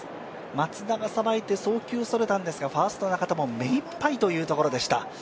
松田がさばいて送球がそれたんですけど、ファースト・中田も目一杯というところでした。